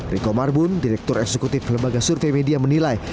riko marbun direktur eksekutif lembaga survei media menilai